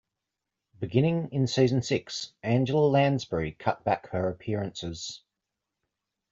Beginning in season six, Angela Lansbury cut back her appearances.